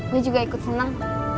gue juga ikut senang